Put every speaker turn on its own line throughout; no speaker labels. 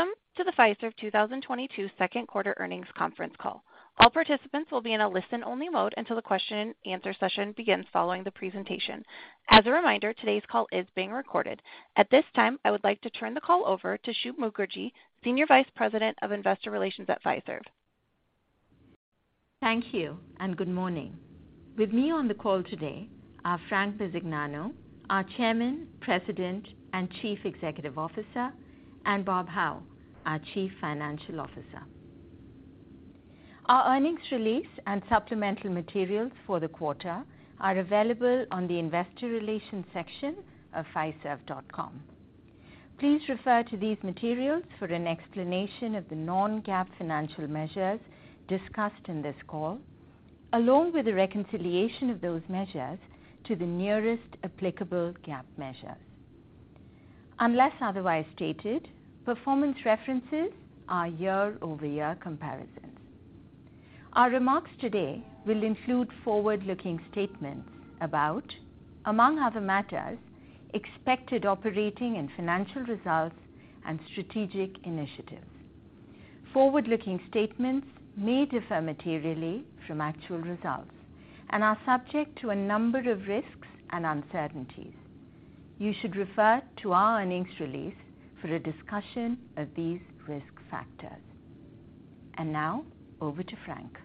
Welcome to the Fiserv 2022 second quarter earnings conference call. All participants will be in a listen-only mode until the question and answer session begins following the presentation. As a reminder, today's call is being recorded. At this time, I would like to turn the call over to Shubh Mukherjee, Senior Vice President of Investor Relations at Fiserv.
Thank you and good morning. With me on the call today are Frank Bisignano, our Chairman, President, and Chief Executive Officer, and Bob Hau, our Chief Financial Officer. Our earnings release and supplemental materials for the quarter are available on the investor relations section of fiserv.com. Please refer to these materials for an explanation of the non-GAAP financial measures discussed in this call, along with the reconciliation of those measures to the nearest applicable GAAP measure. Unless otherwise stated, performance references are year-over-year comparisons. Our remarks today will include forward-looking statements about, among other matters, expected operating and financial results and strategic initiatives. Forward-looking statements may differ materially from actual results and are subject to a number of risks and uncertainties. You should refer to our earnings release for a discussion of these risk factors. Now over to Frank.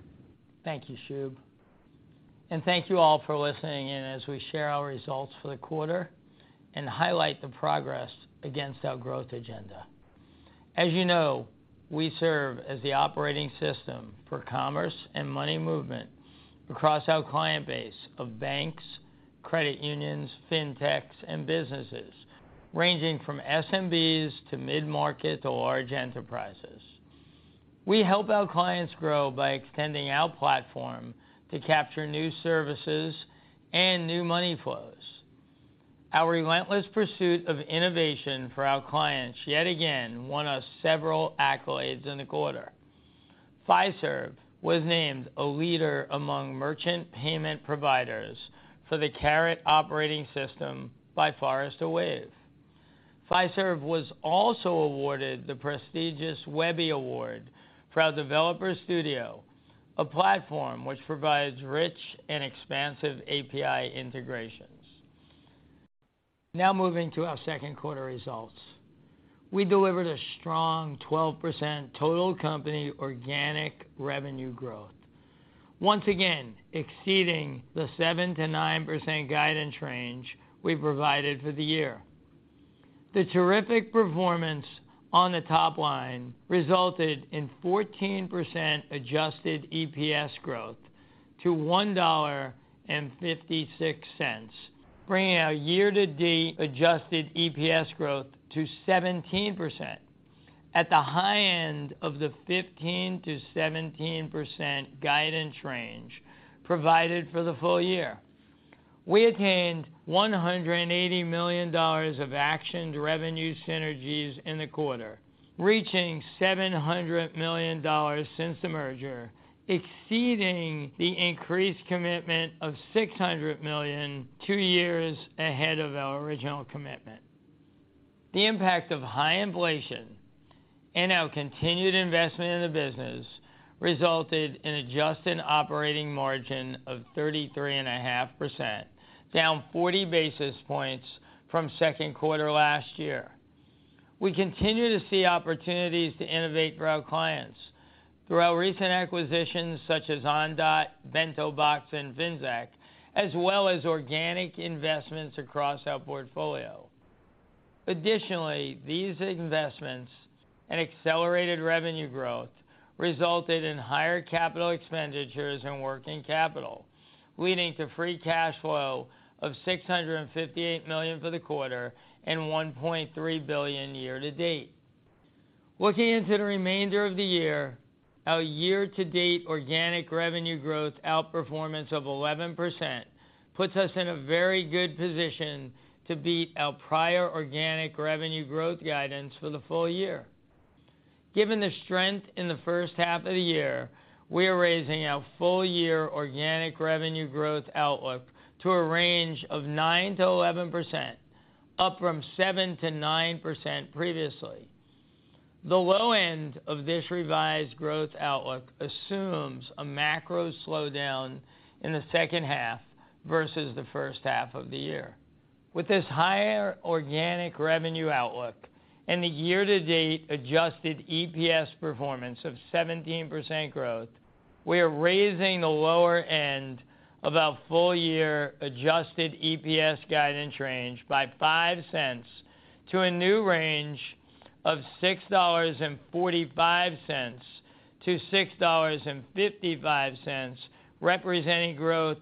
Thank you, Shubh, and thank you all for listening in as we share our results for the quarter and highlight the progress against our growth agenda. As you know, we serve as the operating system for commerce and money movement across our client base of banks, credit unions, fintechs, and businesses, ranging from SMBs to mid-market to large enterprises. We help our clients grow by extending our platform to capture new services and new money flows. Our relentless pursuit of innovation for our clients yet again won us several accolades in the quarter. Fiserv was named a leader among merchant payment providers for the Carat operating system by the Forrester Wave. Fiserv was also awarded the prestigious Webby Award for our Developer Studio, a platform which provides rich and expansive API integrations. Now moving to our second quarter results. We delivered a strong 12% total company organic revenue growth, once again exceeding the 7%-9% guidance range we provided for the year. The terrific performance on the top line resulted in 14% adjusted EPS growth to $1.56, bringing our year-to-date adjusted EPS growth to 17% at the high end of the 15%-17% guidance range provided for the full year. We attained $180 million of actioned revenue synergies in the quarter, reaching $700 million since the merger, exceeding the increased commitment of $600 million two years ahead of our original commitment. The impact of high inflation and our continued investment in the business resulted in adjusted operating margin of 33.5%, down 40 basis points from second quarter last year. We continue to see opportunities to innovate for our clients through our recent acquisitions such as Ondot, BentoBox, and Finxact, as well as organic investments across our portfolio. Additionally, these investments and accelerated revenue growth resulted in higher capital expenditures and working capital, leading to free cash flow of $658 million for the quarter and $1.3 billion year to date. Looking into the remainder of the year, our year-to-date organic revenue growth outperformance of 11% puts us in a very good position to beat our prior organic revenue growth guidance for the full year. Given the strength in the first half of the year, we are raising our full year organic revenue growth outlook to a range of 9%-11%, up from 7%-9% previously. The low end of this revised growth outlook assumes a macro slowdown in the second half versus the first half of the year. With this higher organic revenue outlook and the year-to-date adjusted EPS performance of 17% growth, we are raising the lower end of our full year adjusted EPS guidance range by $0.05 to a new range of $6.45-$6.55, representing 16%-17% growth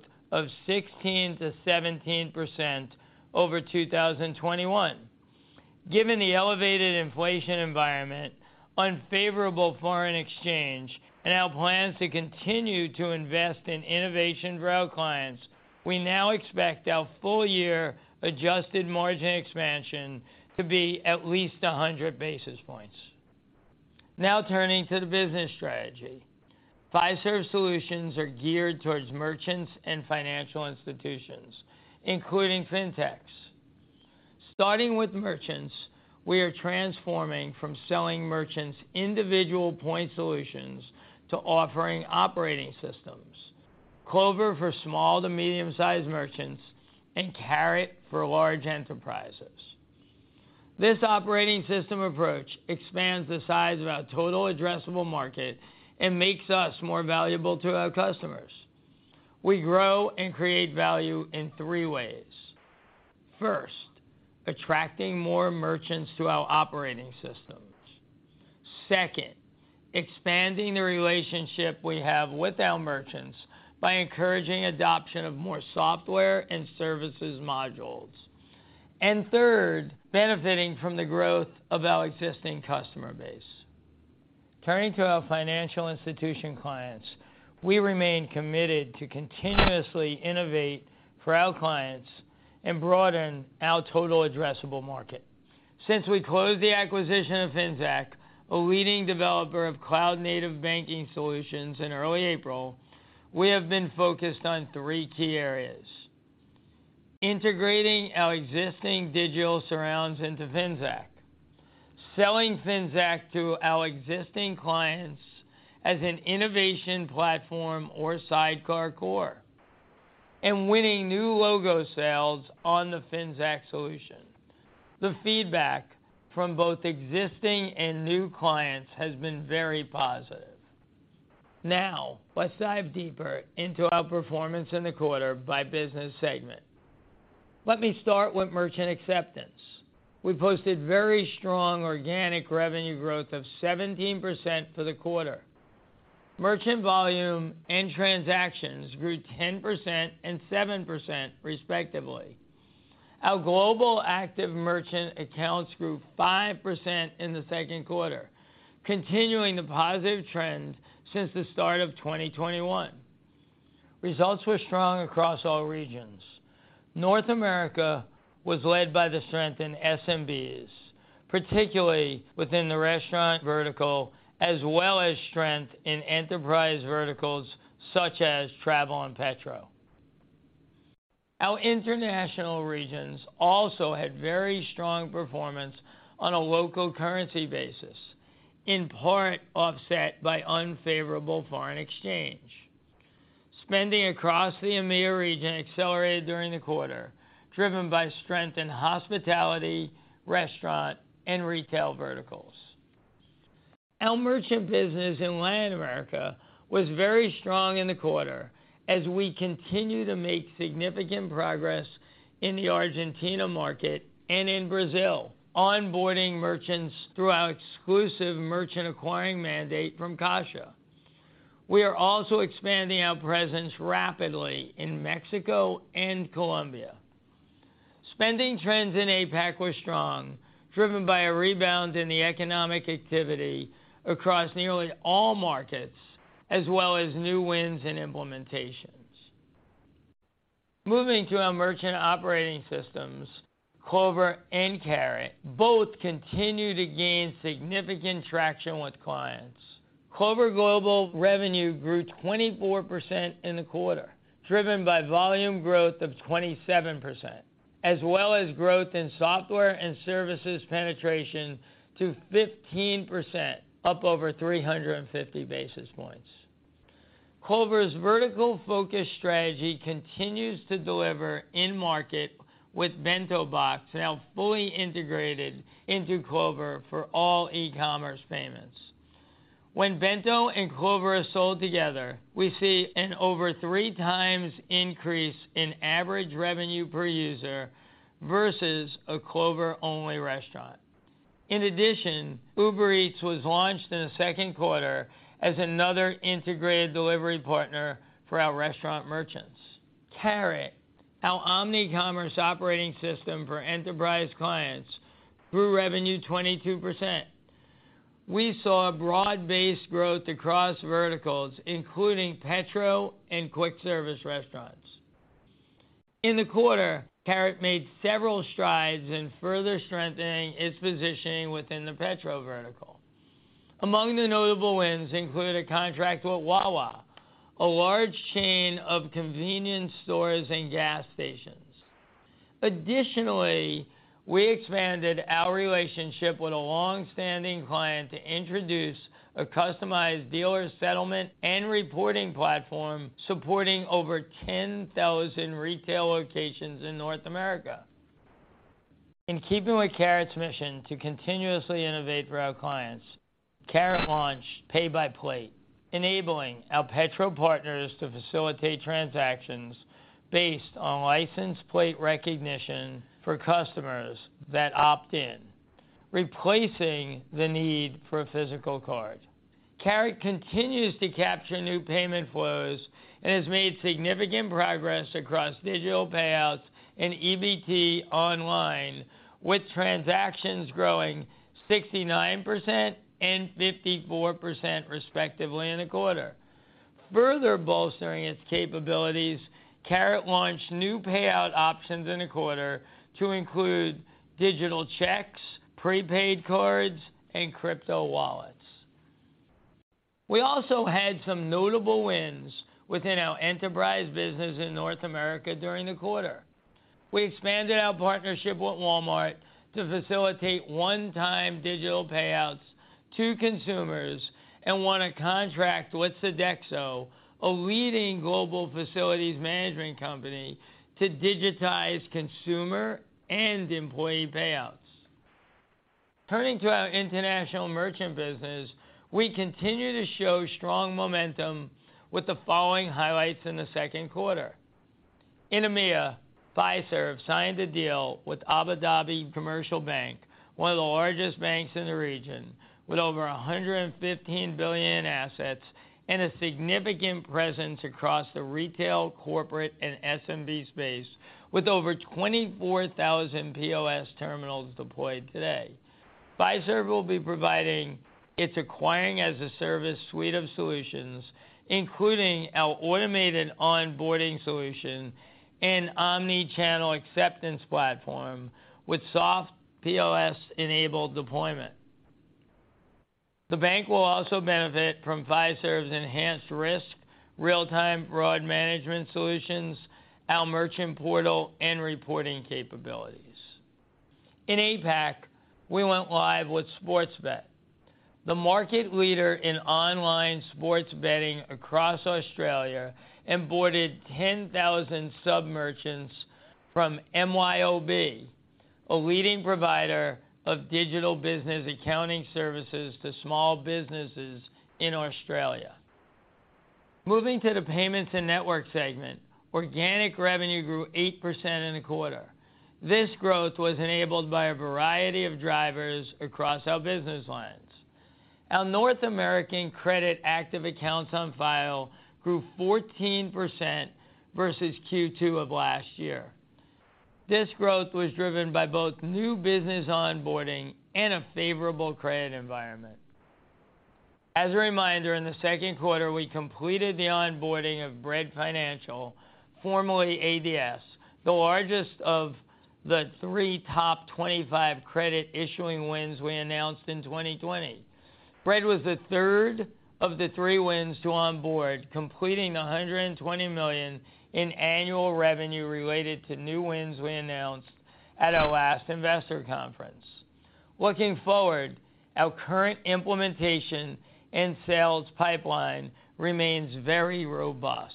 over 2021. Given the elevated inflation environment, unfavorable foreign exchange, and our plans to continue to invest in innovation for our clients, we now expect our full year adjusted margin expansion to be at least 100 basis points. Now turning to the business strategy. Fiserv solutions are geared towards merchants and financial institutions, including fintechs. Starting with merchants, we are transforming from selling merchants individual point solutions to offering operating systems, Clover for small to medium-sized merchants and Carat for large enterprises. This operating system approach expands the size of our total addressable market and makes us more valuable to our customers. We grow and create value in three ways. First, attracting more merchants to our operating systems. Second, expanding the relationship we have with our merchants by encouraging adoption of more software and services modules. Third, benefiting from the growth of our existing customer base. Turning to our financial institution clients, we remain committed to continuously innovate for our clients and broaden our total addressable market. Since we closed the acquisition of Finxact, a leading developer of cloud-native banking solutions in early April, we have been focused on three key areas. Integrating our existing digital services into Finxact. Selling Finxact to our existing clients as an innovation platform or sidecar core, and winning new logo sales on the Finxact solution. The feedback from both existing and new clients has been very positive. Now, let's dive deeper into our performance in the quarter by business segment. Let me start with merchant acceptance. We posted very strong organic revenue growth of 17% for the quarter. Merchant volume and transactions grew 10% and 7% respectively. Our global active merchant accounts grew 5% in the second quarter, continuing the positive trend since the start of 2021. Results were strong across all regions. North America was led by the strength in SMBs, particularly within the restaurant vertical, as well as strength in enterprise verticals such as travel and petrol. Our international regions also had very strong performance on a local currency basis, in part offset by unfavorable foreign exchange. Spending across the EMEA region accelerated during the quarter, driven by strength in hospitality, restaurant, and retail verticals. Our merchant business in Latin America was very strong in the quarter as we continue to make significant progress in the Argentina market and in Brazil, onboarding merchants through our exclusive merchant acquiring mandate from Caixa. We are also expanding our presence rapidly in Mexico and Colombia. Spending trends in APAC were strong, driven by a rebound in the economic activity across nearly all markets, as well as new wins and implementations. Moving to our merchant operating systems, Clover and Carat both continue to gain significant traction with clients. Clover Global revenue grew 24% in the quarter, driven by volume growth of 27%, as well as growth in software and services penetration to 15%, up over 350 basis points. Clover's vertical focus strategy continues to deliver in market with BentoBox now fully integrated into Clover for all e-commerce payments. When Bento and Clover are sold together, we see an over 3x increase in average revenue per user versus a Clover-only restaurant. In addition, Uber Eats was launched in the second quarter as another integrated delivery partner for our restaurant merchants. Carat, our omnichannel commerce operating system for enterprise clients, grew revenue 22%. We saw broad-based growth across verticals, including petrol and quick service restaurants. In the quarter, Carat made several strides in further strengthening its positioning within the petrol vertical. Among the notable wins include a contract with Wawa, a large chain of convenience stores and gas stations. Additionally, we expanded our relationship with a long-standing client to introduce a customized dealer settlement and reporting platform supporting over 10,000 retail locations in North America. In keeping with Carat's mission to continuously innovate for our clients, Carat launched Pay by Plate, enabling our petrol partners to facilitate transactions based on license plate recognition for customers that opt in, replacing the need for a physical card. Carat continues to capture new payment flows and has made significant progress across digital payouts and EBT online, with transactions growing 69% and 54% respectively in a quarter. Further bolstering its capabilities, Carat launched new payout options in the quarter to include digital checks, prepaid cards, and crypto wallets. We also had some notable wins within our enterprise business in North America during the quarter. We expanded our partnership with Walmart to facilitate one-time digital payouts to consumers and won a contract with Sodexo, a leading global facilities management company, to digitize consumer and employee payouts. Turning to our international merchant business, we continue to show strong momentum with the following highlights in the second quarter. In EMEA, Fiserv signed a deal with Abu Dhabi Commercial Bank, one of the largest banks in the region, with over $115 billion in assets and a significant presence across the retail, corporate, and SMB space, with over 24,000 POS terminals deployed today. Fiserv will be providing its acquiring as a service suite of solutions, including our automated onboarding solution and omnichannel acceptance platform with SoftPOS-enabled deployment. The bank will also benefit from Fiserv's enhanced risk real-time fraud management solutions, our merchant portal, and reporting capabilities. In APAC, we went live with Sportsbet, the market leader in online sports betting across Australia, and boarded 10,000 sub-merchants from MYOB, a leading provider of digital business accounting services to small businesses in Australia. Moving to the payments and network segment, organic revenue grew 8% in the quarter. This growth was enabled by a variety of drivers across our business lines. Our North American credit active accounts on file grew 14% versus Q2 of last year. This growth was driven by both new business onboarding and a favorable credit environment. As a reminder, in the second quarter, we completed the onboarding of Bread Financial, formerly ADS, the largest of the three top 25 credit issuing wins we announced in 2020. Bread was the third of the three wins to onboard, completing $120 million in annual revenue related to new wins we announced at our last investor conference. Looking forward, our current implementation and sales pipeline remains very robust.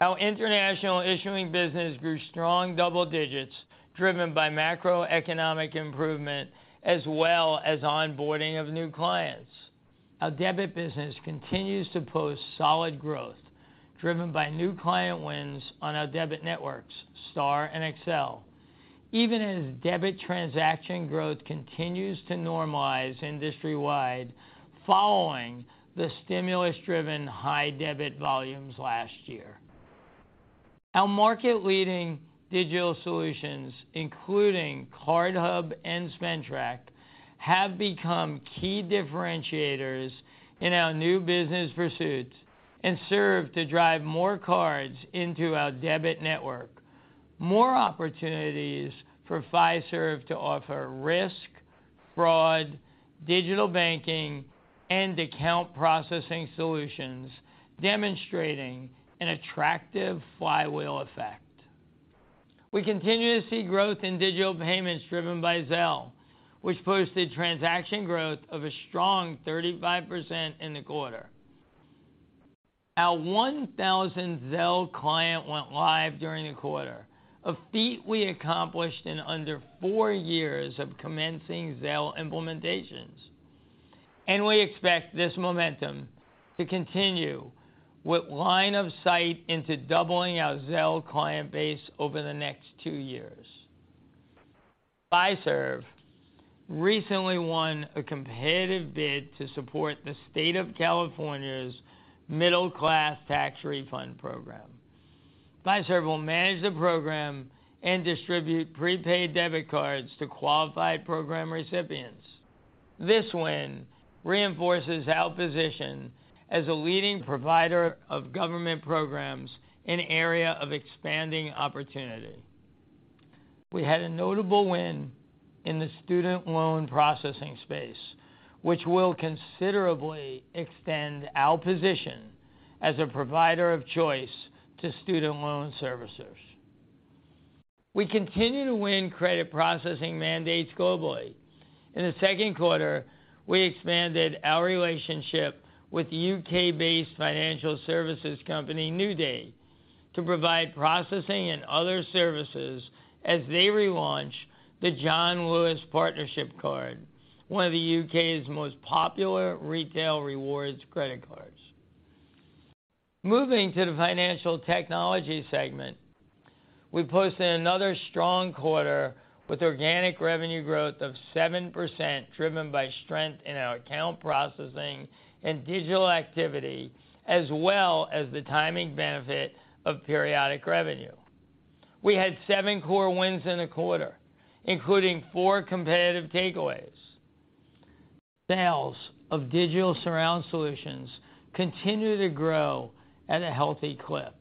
Our international issuing business grew strong double digits, driven by macroeconomic improvement as well as onboarding of new clients. Our debit business continues to post solid growth driven by new client wins on our debit networks, Star and Accel, even as debit transaction growth continues to normalize industry-wide following the stimulus-driven high debit volumes last year. Our market-leading digital solutions, including CardHub and SpendTrack, have become key differentiators in our new business pursuits and serve to drive more cards into our debit network. More opportunities for Fiserv to offer risk, fraud, digital banking, and account processing solutions, demonstrating an attractive flywheel effect. We continue to see growth in digital payments driven by Zelle, which posted transaction growth of a strong 35% in the quarter. Our 1,000th Zelle client went live during the quarter, a feat we accomplished in under four years of commencing Zelle implementations. We expect this momentum to continue with line of sight into doubling our Zelle client base over the next two years. Fiserv recently won a competitive bid to support the State of California's middle-class tax refund program. Fiserv will manage the program and distribute prepaid debit cards to qualified program recipients. This win reinforces our position as a leading provider of government programs, an area of expanding opportunity. We had a notable win in the student loan processing space, which will considerably extend our position as a provider of choice to student loan servicers. We continue to win credit processing mandates globally. In the second quarter, we expanded our relationship with U.K.-based financial services company, NewDay, to provide processing and other services as they relaunch the John Lewis Partnership Card, one of the U.K.'s most popular retail rewards credit cards. Moving to the financial technology segment, we posted another strong quarter with organic revenue growth of 7% driven by strength in our account processing and digital activity, as well as the timing benefit of periodic revenue. We had seven core wins in a quarter, including four competitive takeaways. Sales of digital surround solutions continue to grow at a healthy clip,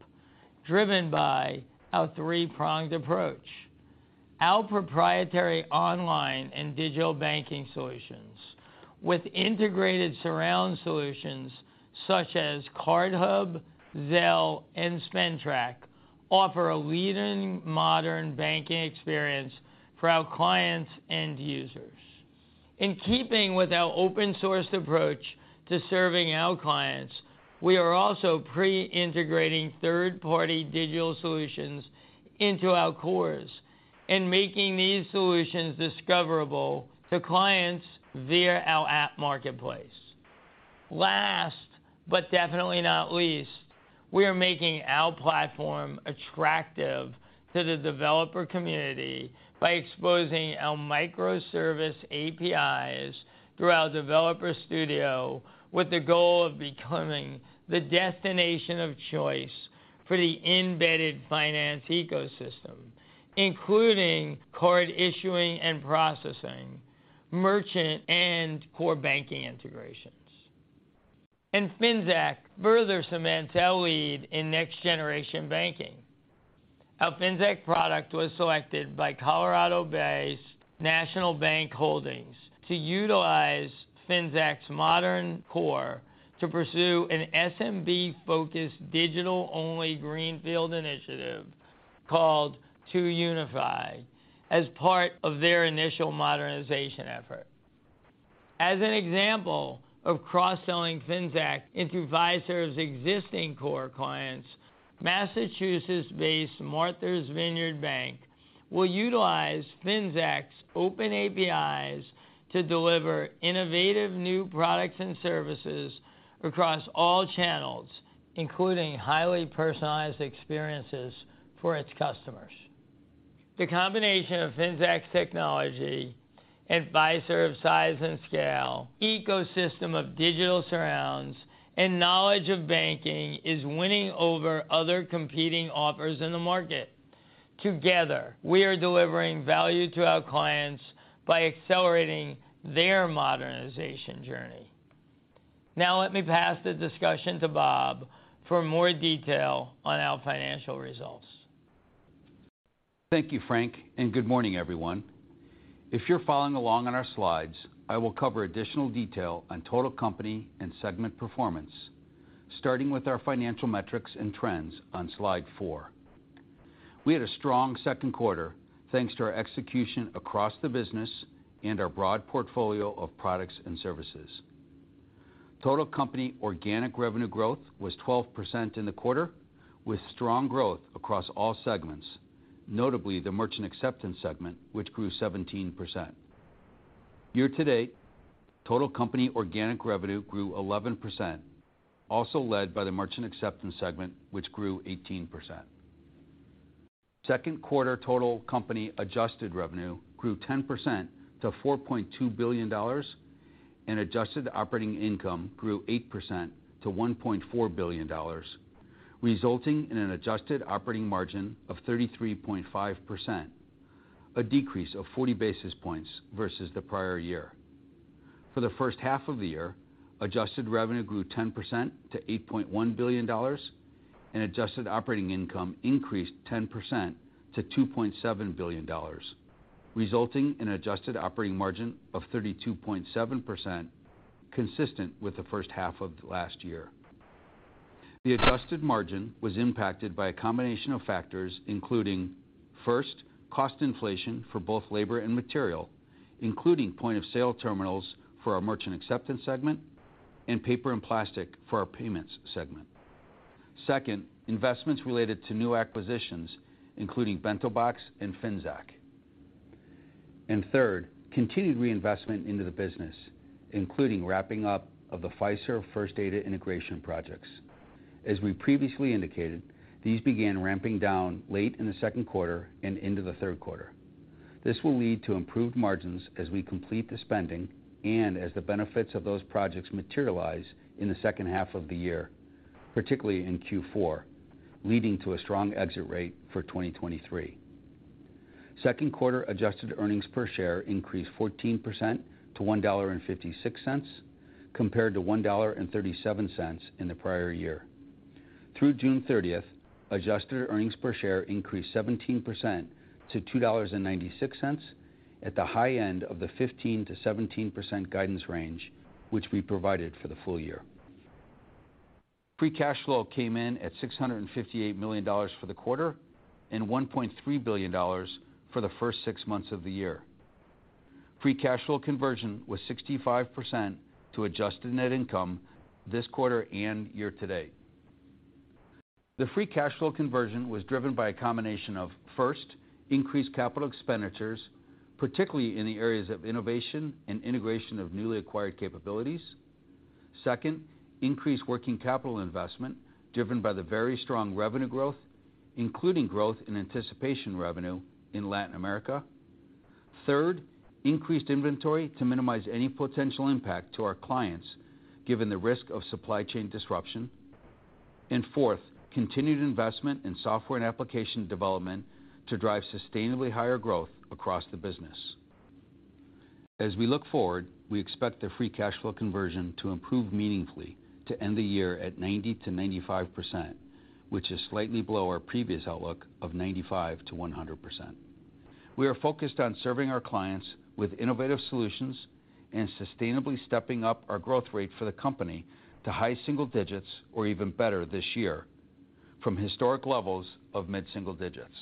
driven by our three-pronged approach. Our proprietary online and digital banking solutions with integrated surround solutions such as CardHub, Zelle, and SpendTrack offer a leading modern banking experience for our clients and users. In keeping with our open-sourced approach to serving our clients, we are also pre-integrating third-party digital solutions into our cores and making these solutions discoverable to clients via our app marketplace. Last but definitely not least, we are making our platform attractive to the developer community by exposing our microservice APIs through our Developer Studio with the goal of becoming the destination of choice for the embedded finance ecosystem, including card issuing and processing, merchant and core banking integrations. In Finxact, further cements our lead in next-generation banking. Our Finxact product was selected by Colorado-based National Bank Holdings to utilize Finxact's modern core to pursue an SMB-focused digital-only greenfield initiative called 2Unifi as part of their initial modernization effort. As an example of cross-selling Finxact into Fiserv's existing core clients, Massachusetts-based Martha's Vineyard Bank will utilize Finxact's open APIs to deliver innovative new products and services across all channels, including highly personalized experiences for its customers. The combination of Finxact's technology, advisor of size and scale, ecosystem of digital surrounds, and knowledge of banking is winning over other competing offers in the market. Together, we are delivering value to our clients by accelerating their modernization journey. Now let me pass the discussion to Bob for more detail on our financial results.
Thank you, Frank, and good morning, everyone. If you're following along on our slides, I will cover additional detail on total company and segment performance, starting with our financial metrics and trends on slide 4. We had a strong second quarter thanks to our execution across the business and our broad portfolio of products and services. Total company organic revenue growth was 12% in the quarter, with strong growth across all segments, notably the merchant acceptance segment, which grew 17%. Year to date, total company organic revenue grew 11%, also led by the merchant acceptance segment, which grew 18%. Second quarter total company adjusted revenue grew 10% to $4.2 billion and adjusted operating income grew 8% to $1.4 billion, resulting in an adjusted operating margin of 33.5%, a decrease of 40 basis points versus the prior year. For the first half of the year, adjusted revenue grew 10% to $8.1 billion and adjusted operating income increased 10% to $2.7 billion, resulting in adjusted operating margin of 32.7% consistent with the first half of last year. The adjusted margin was impacted by a combination of factors, including first, cost inflation for both labor and material, including point of sale terminals for our merchant acceptance segment and paper and plastic for our payments segment. Second, investments related to new acquisitions, including BentoBox and Finxact. Third, continued reinvestment into the business, including wrapping up of the Fiserv First Data integration projects. As we previously indicated, these began ramping down late in the second quarter and into the third quarter. This will lead to improved margins as we complete the spending and as the benefits of those projects materialize in the second half of the year, particularly in Q4, leading to a strong exit rate for 2023. Second quarter adjusted earnings per share increased 14% to $1.56 compared to $1.37 in the prior year. Through June 30, adjusted earnings per share increased 17% to $2.96 at the high end of the 15%-17% guidance range, which we provided for the full year. Free cash flow came in at $658 million for the quarter and $1.3 billion for the first six months of the year. Free cash flow conversion was 65% to adjusted net income this quarter and year to date. The free cash flow conversion was driven by a combination of, first, increased capital expenditures, particularly in the areas of innovation and integration of newly acquired capabilities. Second, increased working capital investment driven by the very strong revenue growth, including growth in anticipated revenue in Latin America. Third, increased inventory to minimize any potential impact to our clients, given the risk of supply chain disruption. Fourth, continued investment in software and application development to drive sustainably higher growth across the business. As we look forward, we expect the free cash flow conversion to improve meaningfully to end the year at 90%-95%, which is slightly below our previous outlook of 95%-100%. We are focused on serving our clients with innovative solutions and sustainably stepping up our growth rate for the company to high single digits or even better this year from historic levels of mid-single digits.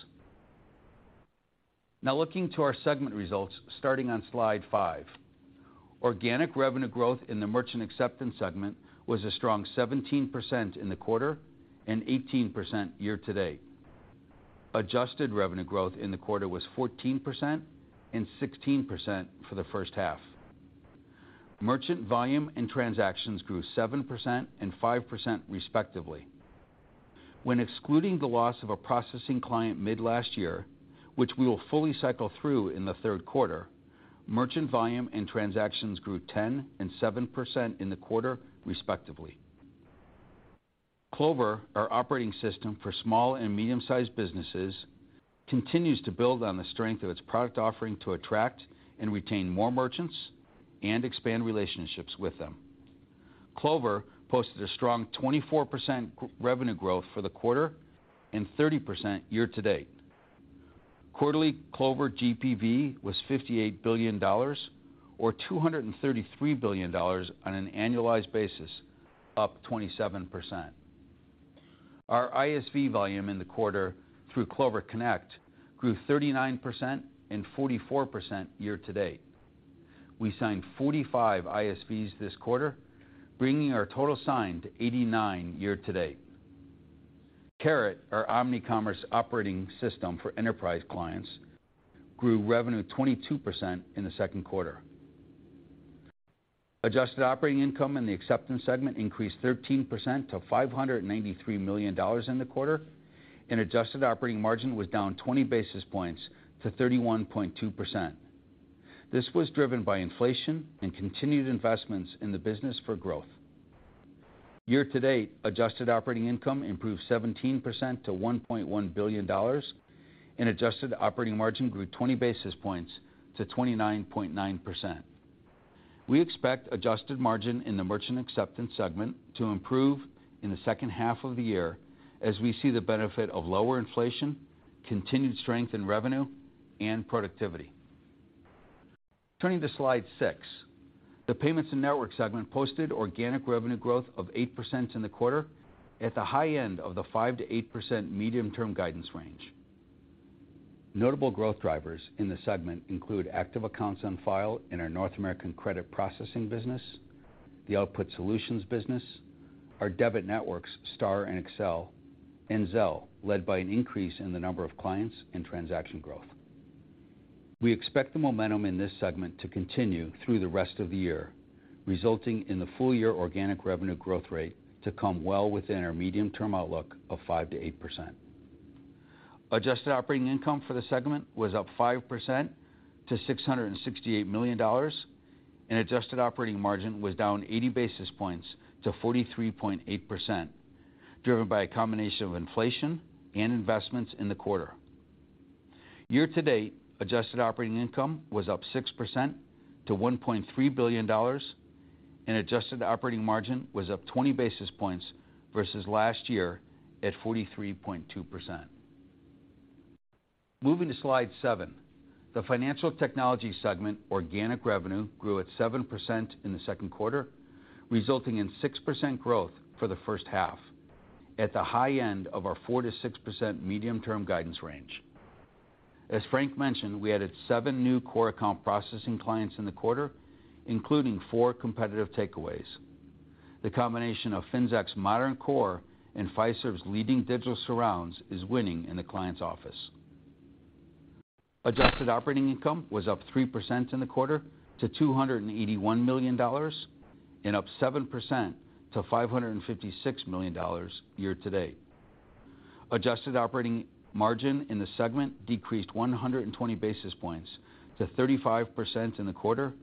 Now looking to our segment results starting on slide 5. Organic revenue growth in the merchant acceptance segment was a strong 17% in the quarter and 18% year-to-date. Adjusted revenue growth in the quarter was 14% and 16% for the first half. Merchant volume and transactions grew 7% and 5% respectively. When excluding the loss of a processing client mid last year, which we will fully cycle through in the third quarter, merchant volume and transactions grew 10% and 7% in the quarter, respectively. Clover, our operating system for small and medium-sized businesses, continues to build on the strength of its product offering to attract and retain more merchants and expand relationships with them. Clover posted a strong 24% revenue growth for the quarter and 30% year-to-date. Quarterly Clover GPV was $58 billion or $233 billion on an annualized basis, up 27%. Our ISV volume in the quarter through Clover Connect grew 39% and 44% year-to-date. We signed 45 ISVs this quarter, bringing our total signed to 89 year-to-date. Carat, our omnichannel operating system for enterprise clients, grew revenue 22% in the second quarter. Adjusted operating income in the acceptance segment increased 13% to $593 million in the quarter, and adjusted operating margin was down 20 basis points to 31.2%. This was driven by inflation and continued investments in the business for growth. Year-to-date adjusted operating income improved 17% to $1.1 billion and adjusted operating margin grew 20 basis points to 29.9%. We expect adjusted margin in the merchant acceptance segment to improve in the second half of the year as we see the benefit of lower inflation, continued strength in revenue and productivity. Turning to slide six, the payments and network segment posted organic revenue growth of 8% in the quarter at the high end of the 5%-8% medium-term guidance range. Notable growth drivers in the segment include active accounts on file in our North American credit processing business, the output solutions business, our debit networks, STAR and Accel, and Zelle, led by an increase in the number of clients and transaction growth. We expect the momentum in this segment to continue through the rest of the year, resulting in the full-year organic revenue growth rate to come well within our medium-term outlook of 5%-8%. Adjusted operating income for the segment was up 5% to $668 million, and adjusted operating margin was down 80 basis points to 43.8%, driven by a combination of inflation and investments in the quarter. Year-to-date adjusted operating income was up 6% to $1.3 billion, and adjusted operating margin was up 20 basis points versus last year at 43.2%. Moving to slide seven, the financial technology segment organic revenue grew at 7% in the second quarter, resulting in 6% growth for the first half at the high end of our 4%-6% medium-term guidance range. As Frank mentioned, we added 7 new core account processing clients in the quarter, including 4 competitive takeaways. The combination of Finxact's modern core and Fiserv's leading digital surrounds is winning in the client's office. Adjusted operating income was up 3% in the quarter to $281 million and up 7% to $556 million year-to-date. Adjusted operating margin in the segment decreased 120 basis points to 35% in the quarter,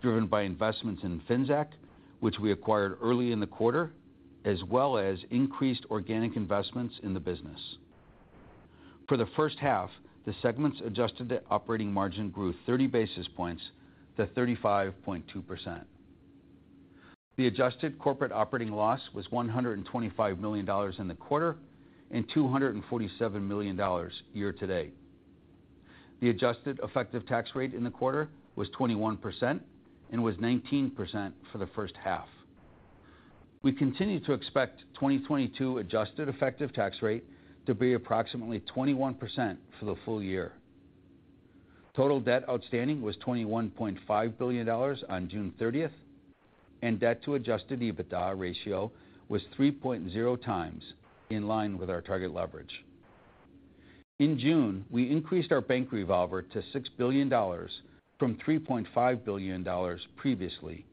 driven by investments in Finxact, which we acquired early in the quarter, as well as increased organic investments in the business. For the first half, the segment's adjusted operating margin grew 30 basis points to 35.2%. The adjusted corporate operating loss was $125 million in the quarter and $247 million year-to-date. The adjusted effective tax rate in the quarter was 21% and was 19% for the first half. We continue to expect 2022 adjusted effective tax rate to be approximately 21% for the full year. Total debt outstanding was $21.5 billion on June 30, and debt to adjusted EBITDA ratio was 3.0x in line with our target leverage. In June, we increased our bank revolver to $6 billion from $3.5 billion previously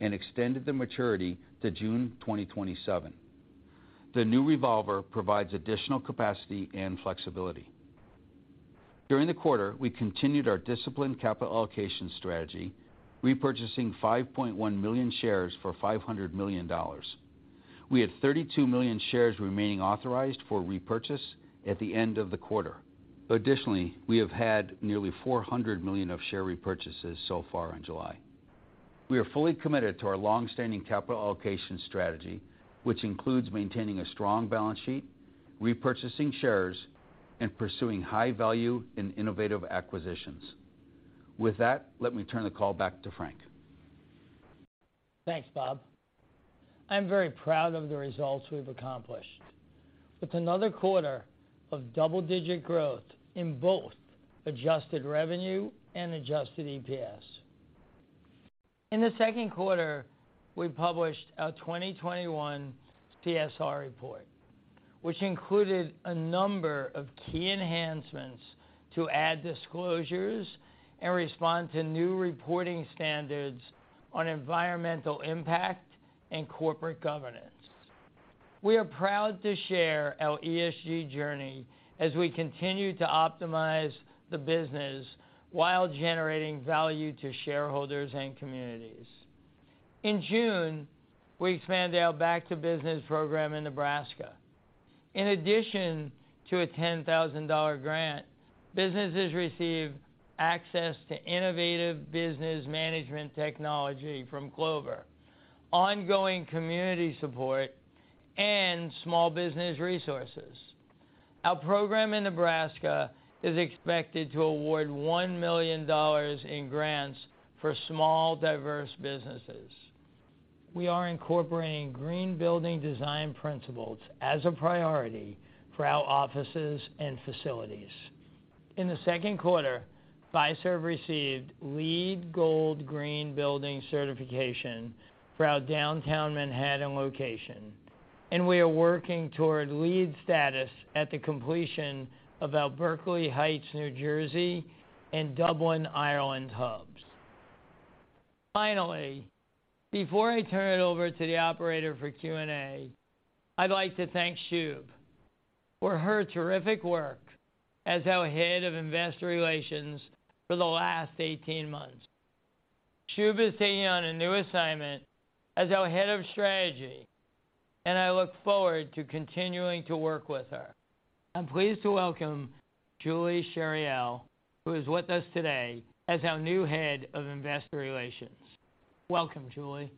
and extended the maturity to June 2027. The new revolver provides additional capacity and flexibility. During the quarter, we continued our disciplined capital allocation strategy, repurchasing 5.1 million shares for $500 million. We had 32 million shares remaining authorized for repurchase at the end of the quarter. Additionally, we have had nearly $400 million of share repurchases so far in July. We are fully committed to our long-standing capital allocation strategy, which includes maintaining a strong balance sheet, repurchasing shares, and pursuing high value in innovative acquisitions. With that, let me turn the call back to Frank.
Thanks, Bob. I'm very proud of the results we've accomplished. It's another quarter of double-digit growth in both adjusted revenue and adjusted EPS. In the second quarter, we published our 2021 CSR report, which included a number of key enhancements to add disclosures and respond to new reporting standards on environmental impact and corporate governance. We are proud to share our ESG journey as we continue to optimize the business while generating value to shareholders and communities. In June, we expanded our Back2Business program in Nebraska. In addition to a $10,000 grant, businesses receive access to innovative business management technology from Clover, ongoing community support, and small business resources. Our program in Nebraska is expected to award $1 million in grants for small, diverse businesses. We are incorporating green building design principles as a priority for our offices and facilities. In the second quarter, Fiserv received LEED Gold green building certification for our downtown Manhattan location, and we are working toward LEED status at the completion of our Berkeley Heights, New Jersey, and Dublin, Ireland hubs. Finally, before I turn it over to the operator for Q&A, I'd like to thank Shub for her terrific work as our head of investor relations for the last 18 months. Shub is taking on a new assignment as our head of strategy, and I look forward to continuing to work with her. I'm pleased to welcome Julie Chariell, who is with us today as our new head of investor relations. Welcome, Julie.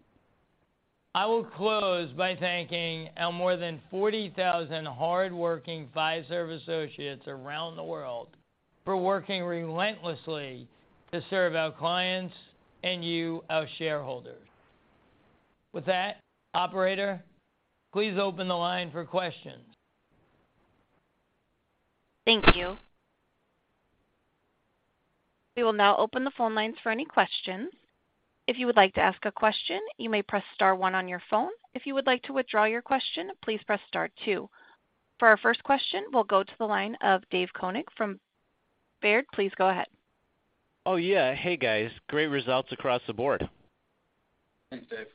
I will close by thanking our more than 40,000 hardworking Fiserv associates around the world for working relentlessly to serve our clients and you, our shareholders. With that, operator, please open the line for questions.
Thank you. We will now open the phone lines for any questions. If you would like to ask a question, you may press star one on your phone. If you would like to withdraw your question, please press star two. For our first question, we'll go to the line of David Koning from Baird. Please go ahead.
Oh, yeah. Hey, guys. Great results across the board.
Thanks, Dave.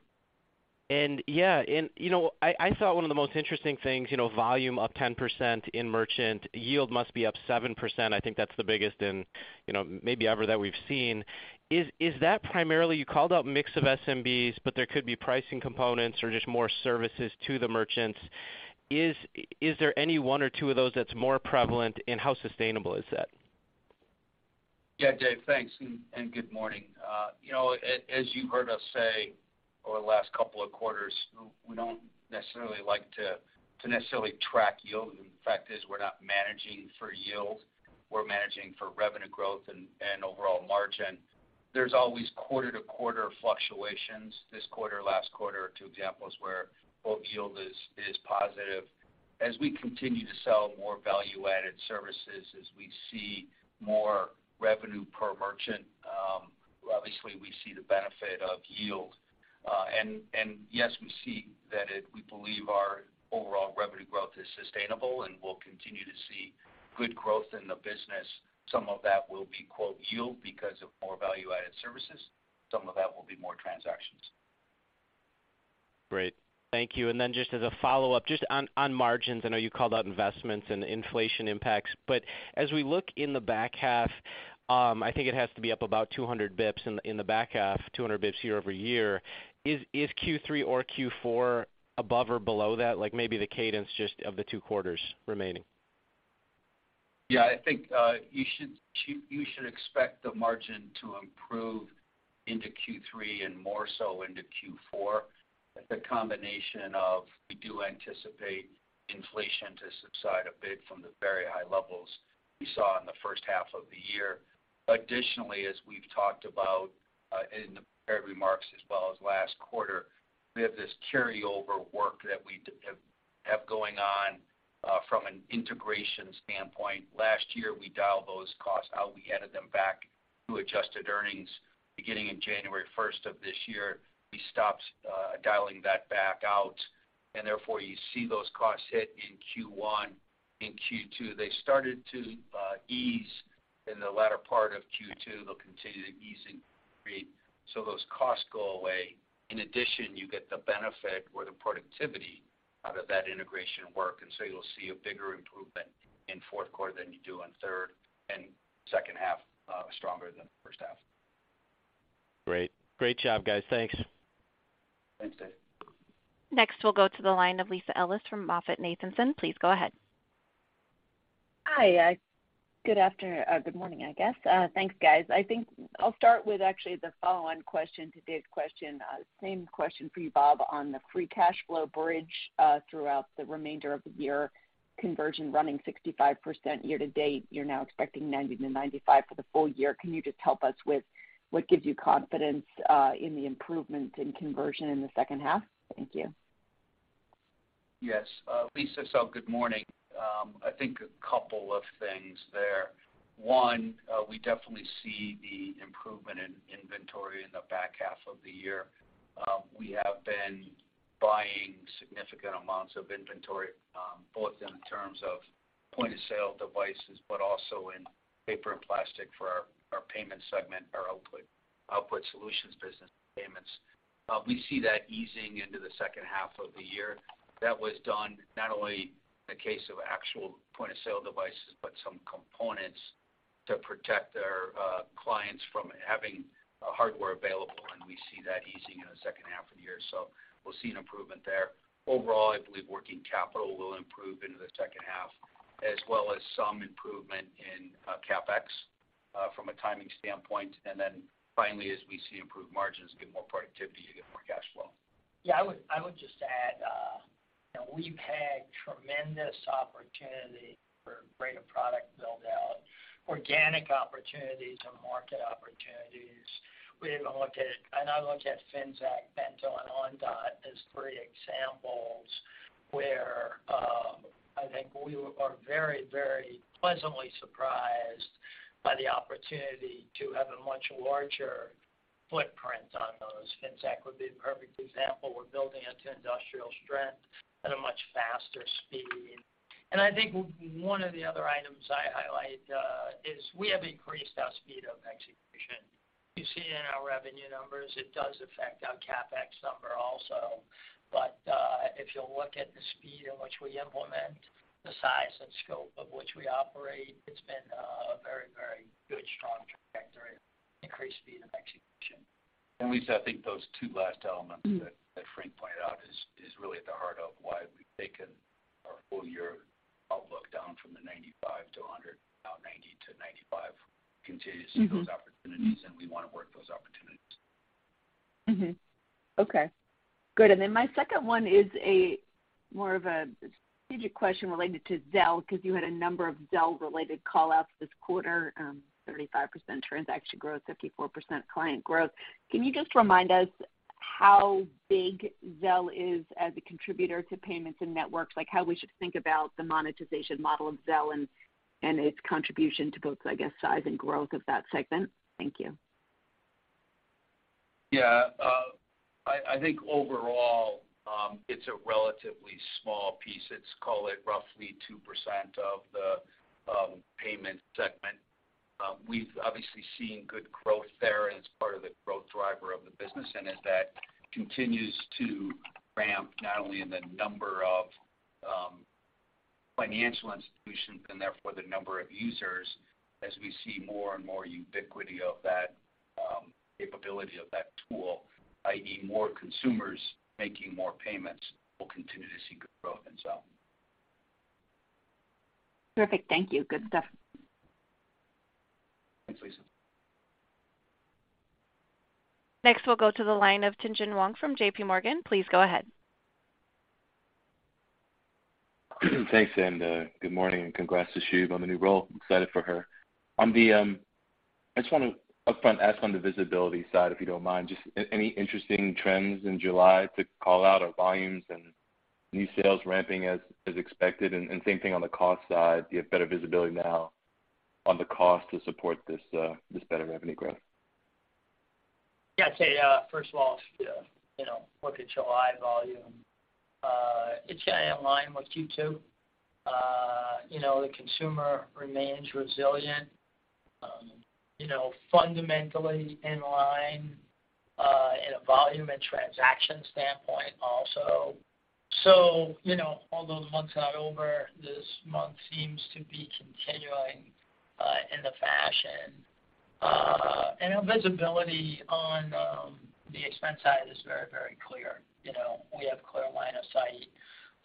Yeah, and you know, I saw one of the most interesting things, you know, volume up 10% in merchant. Yield must be up 7%. I think that's the biggest in, you know, maybe ever that we've seen. Is that primarily, you called out mix of SMBs, but there could be pricing components or just more services to the merchants. Is there any one or two of those that's more prevalent, and how sustainable is that?
Yeah, Dave, thanks and good morning. As you heard us say over the last couple of quarters, we don't necessarily like to necessarily track yield. The fact is we're not managing for yield. We're managing for revenue growth and overall margin. There's always quarter-to-quarter fluctuations. This quarter, last quarter are two examples where quote yield is positive. As we continue to sell more value-added services, as we see more revenue per merchant, obviously we see the benefit of yield. Yes, we believe our overall revenue growth is sustainable and will continue to see good growth in the business. Some of that will be quote yield because of more value-added services. Some of that will be more transactions.
Great. Thank you. Just as a follow-up, just on margins, I know you called out investments and inflation impacts. As we look in the back half, I think it has to be up about 200 basis points in the back half, 200 basis points year-over-year. Is Q3 or Q4 above or below that? Like, maybe the cadence just of the two quarters remaining.
Yeah. I think you should expect the margin to improve into Q3 and more so into Q4. It's a combination of we do anticipate inflation to subside a bit from the very high levels we saw in the first half of the year. Additionally, as we've talked about in the prepared remarks as well as last quarter, we have this carryover work that we have going on from an integration standpoint. Last year, we dialed those costs out. We added them back to adjusted earnings. Beginning in January first of this year, we stopped dialing that back out, and therefore you see those costs hit in Q1.
In Q2. They started to ease in the latter part of Q2. They'll continue to ease in three, so those costs go away. In addition, you get the benefit or the productivity out of that integration work, and so you'll see a bigger improvement in fourth quarter than you do in third and second half, stronger than first half.
Great. Great job, guys. Thanks.
Thanks, Dave.
Next, we'll go to the line of Lisa Ellis from MoffettNathanson. Please go ahead.
Hi. Good morning, I guess. Thanks, guys. I think I'll start with actually the follow-on question to Dave's question. Same question for you, Bob, on the free cash flow bridge throughout the remainder of the year. Conversion running 65% year to date. You're now expecting 90%-95% for the full year. Can you just help us with what gives you confidence in the improvement in conversion in the second half? Thank you.
Yes. Lisa, good morning. I think a couple of things there. One, we definitely see the improvement in inventory in the back half of the year. We have been buying significant amounts of inventory, both in terms of point-of-sale devices, but also in paper and plastic for our payment segment, our output solutions business and payments. We see that easing into the second half of the year. That was done not only in the case of actual point-of-sale devices, but some components to protect our clients from not having hardware available, and we see that easing in the second half of the year. We'll see an improvement there. Overall, I believe working capital will improve into the second half, as well as some improvement in CapEx, from a timing standpoint. Finally, as we see improved margins get more productivity, you get more cash flow.
I would just add, you know, we've had tremendous opportunity for greater product build-out, organic opportunities and market opportunities. I look at Finxact, BentoBox, and Ondot as three examples where I think we are very, very pleasantly surprised by the opportunity to have a much larger footprint on those. Finxact would be a perfect example. We're building it to industrial strength at a much faster speed. I think one of the other items I highlight is we have increased our speed of execution. You see it in our revenue numbers. It does affect our CapEx number also. If you'll look at the speed in which we implement, the size and scope of which we operate, it's been a very, very good, strong trajectory, increased speed of execution.
Lisa, I think those two last elements.
Mm-hmm.
That Frank pointed out is really at the heart of why we've taken our full-year outlook down from 95-100, now 90-95.
Mm-hmm.
Continue to see those opportunities, and we wanna work those opportunities.
Mm-hmm. Okay. Good. Then my second one is more of a strategic question related to Zelle because you had a number of Zelle-related call-outs this quarter, 35% transaction growth, 54% client growth. Can you just remind us how big Zelle is as a contributor to payments and networks? Like, how we should think about the monetization model of Zelle and its contribution to both, I guess, size and growth of that segment? Thank you.
Yeah. I think overall, it's a relatively small piece. It's, call it, roughly 2% of the payment segment. We've obviously seen good growth there, and it's part of the growth driver of the business. As that continues to ramp, not only in the number of financial institutions and therefore the number of users, as we see more and more ubiquity of that capability of that tool, i.e., more consumers making more payments, we'll continue to see good growth in Zelle.
Terrific. Thank you. Good stuff.
Thanks, Lisa.
Next, we'll go to the line of Tien-Tsin Huang from J.P. Morgan. Please go ahead.
Thanks, good morning, and congrats to Shubha on the new role. I'm excited for her. I just wanna upfront ask on the visibility side, if you don't mind. Just any interesting trends in July to call out or volumes and new sales ramping as expected? Same thing on the cost side. Do you have better visibility now on the cost to support this better revenue growth?
Yeah. I'd say, first of all, you know, look at July volume. It's kinda in line with Q2. You know, the consumer remains resilient, you know, fundamentally in line, in a volume and transaction standpoint also. You know, all those months are over. This month seems to be continuing, in the fashion. And our visibility on, the expense side is very, very clear. You know, we have clear line of sight.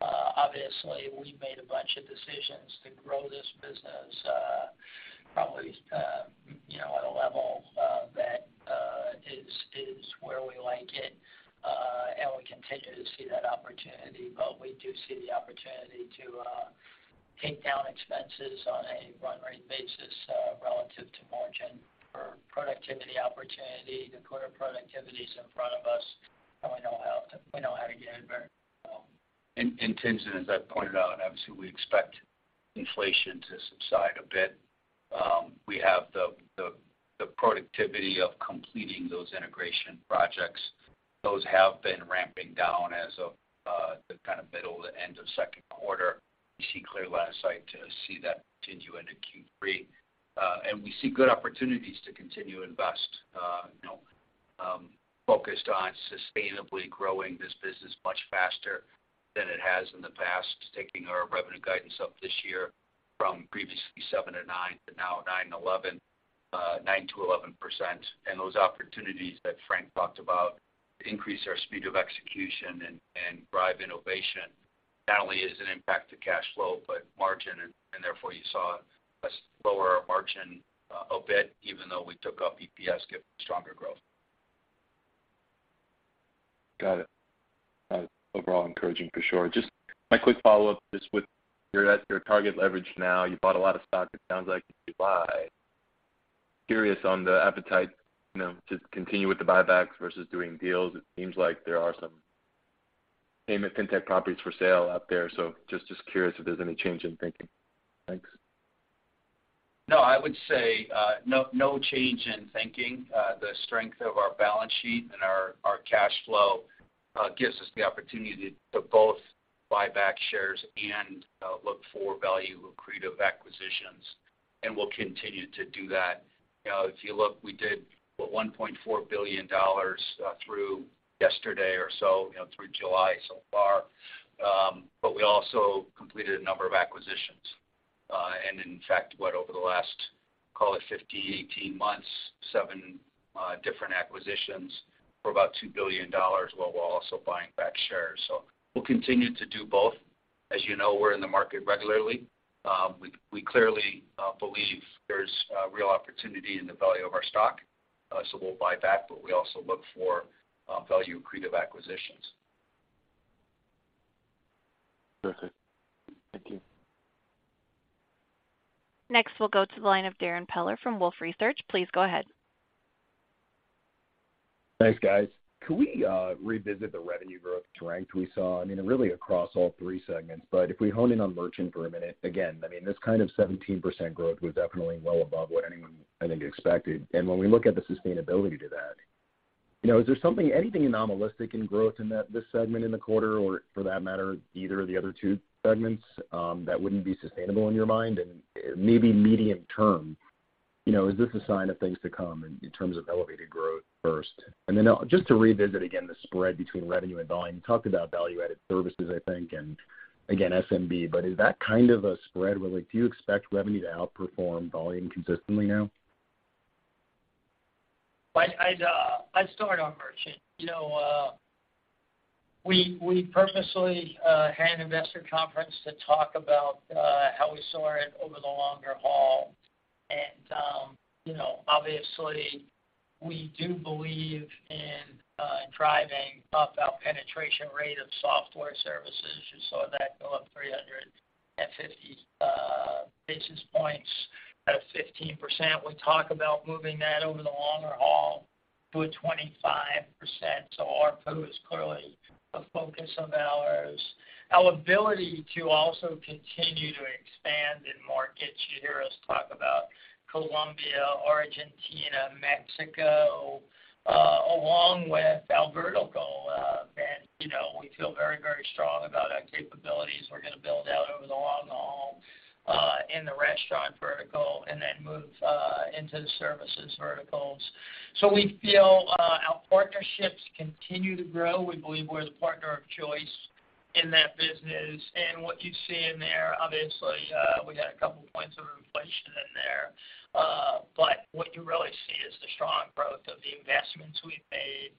Obviously, we've made a bunch of decisions to grow this business, probably, you know, at a level, that is where we like it, and we continue to see that opportunity. But we do see the opportunity to, take down expenses on a run-rate basis, relative to margin for productivity opportunity. The quarter productivity is in front of us, and we know how to get it there, so.
Tien-Tsin Huang, as I pointed out, obviously, we expect inflation to subside a bit. We have the productivity of completing those integration projects, those have been ramping down as of the kind of middle to end of second quarter. We see clear line of sight to see that continue into Q3. We see good opportunities to continue to invest, focused on sustainably growing this business much faster than it has in the past, taking our revenue guidance up this year from previously 7%-9% to now 9%-11%, 9%-11%. Those opportunities that Frank talked about increase our speed of execution and drive innovation. Not only is it an impact to cash flow, but to margin and therefore you saw a slower margin, a bit, even though we took up EPS given the stronger growth.
Got it. Overall encouraging for sure. Just my quick follow-up, just with you at your target leverage now, you bought a lot of stock, it sounds like in July. Curious on the appetite, you know, to continue with the buybacks versus doing deals. It seems like there are some payment fintech properties for sale out there, so just curious if there's any change in thinking. Thanks.
No, I would say no change in thinking. The strength of our balance sheet and our cash flow gives us the opportunity to both buy back shares and look for value accretive acquisitions, and we'll continue to do that. You know, if you look, we did what $1.4 billion through yesterday or so, you know, through July so far. But we also completed a number of acquisitions. And in fact, what, over the last, call it 15-18 months, 7 different acquisitions for about $2 billion while also buying back shares. We'll continue to do both. As you know, we're in the market regularly. We clearly believe there's real opportunity in the value of our stock, so we'll buy back, but we also look for value accretive acquisitions.
Perfect. Thank you.
Next, we'll go to the line of Darrin Peller from Wolfe Research. Please go ahead.
Thanks, guys. Could we revisit the revenue growth strength we saw? I mean, really across all three segments, but if we hone in on merchant for a minute, again, I mean, this kind of 17% growth was definitely well above what anyone, I think, expected. When we look at the sustainability to that, is there something, anything anomalistic in growth in this segment in the quarter or for that matter, either of the other two segments, that wouldn't be sustainable in your mind? Maybe medium term, is this a sign of things to come in terms of elevated growth first? Then just to revisit again the spread between revenue and volume. You talked about value-added services, I think, and again, SMB, but is that kind of a spread where like, do you expect revenue to outperform volume consistently now?
I'd start on merchant. You know, we purposely had an investor conference to talk about how we saw it over the longer haul. You know, obviously we do believe in driving up our penetration rate of software services. You saw that go up 350 basis points at 15%. We talk about moving that over the longer haul to a 25%. ARPU is clearly a focus of ours. Our ability to also continue to expand in markets, you hear us talk about Colombia, Argentina, Mexico, along with our vertical, that, you know, we feel very strong about our capabilities we're gonna build out over the long haul, in the restaurant vertical and then move into the services verticals. We feel our partnerships continue to grow. We believe we're the partner of choice in that business. What you see in there, obviously, we got a couple points of inflation in there. But what you really see is the strong growth of the investments we've made,